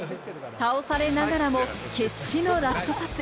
倒されながらも決死のラストパス。